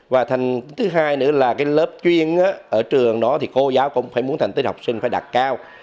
và thứ hai nữa là lớp chuyên ở trường đó thì cô giáo cũng muốn thành tích học sinh phải đạt cao